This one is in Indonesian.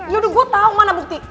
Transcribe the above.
yaudah gue tau mana bukti